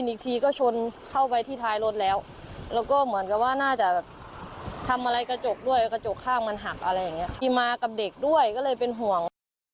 มีมากับเด็กด้วยก็เลยเป็นห่วง